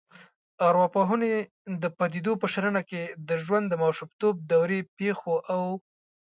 ارواپوهنې د پديدو په شننه کې د ژوند د ماشومتوب دورې پیښو او